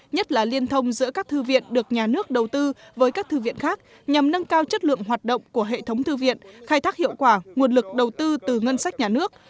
nhất là liên thông giữa các thư viện được nhà nước đầu tư với các thư viện khác nhằm nâng cao chất lượng hoạt động của hệ thống thư viện khai thác hiệu quả nguồn lực đầu tư từ ngân sách nhà nước